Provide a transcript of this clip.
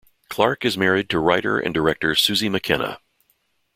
Clarke is married to writer and director Susie McKenna.